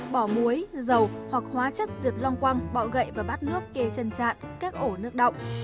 bỏ muối dầu hoặc hóa chất diệt long quang bọ gậy vào bát nước kê chân trạn các ổ nước đọng